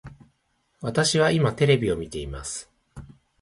私は今テレビを見ています